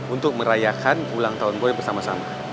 untuk merayakan ulang tahun boy bersama sama